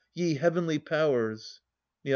Ye heavenly powers ! Neo.